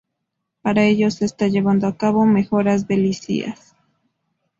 Para ello se está llevando a cabo mejoras edilicias.